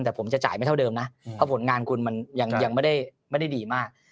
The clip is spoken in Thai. แต่ผมจะจ่ายไม่เท่าเดิมนะเพราะผลงานคุณมันยังไม่ได้ดีมาก